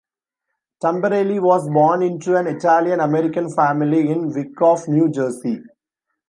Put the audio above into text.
Tamberelli was born into an Italian American family in Wyckoff, New Jersey.